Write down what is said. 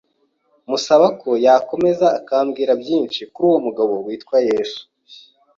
musaba ko yakomeza akambwira byinshi kuri uwo mugabo witwa Yesu.